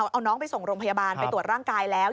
เอาน้องไปส่งโรงพยาบาลไปตรวจร่างกายแล้ว